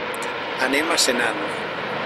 Anem a Senan.